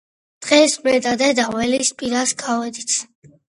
დღეს მე და დედა ველის პირას გავედით